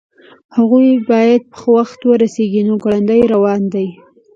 هغوی باید په وخت ورسیږي نو ګړندي روان دي